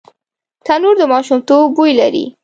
تنور د ماشومتوب بوی لري